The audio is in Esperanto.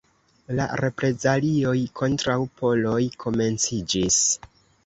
La reprezalioj kontraŭ poloj komenciĝis.